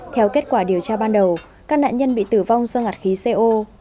theo kết quả điều tra ban đầu các nạn nhân bị tử vong do ngạt khí co